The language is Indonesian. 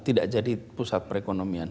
tidak jadi pusat perekonomian